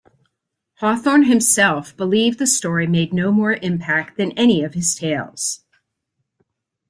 Hawthorne himself believed the story made no more impact than any of his tales.